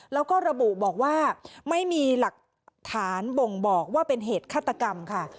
แล้วก็ระบุบอกว่าไม่มีหลักฐานบ่งบอกว่าเป็นเหตุฆาตกรรมค่ะ